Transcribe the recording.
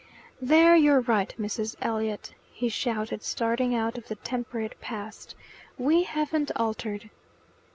"There you're right, Mrs. Elliot!" he shouted, starting out of the temperate past. "We haven't altered."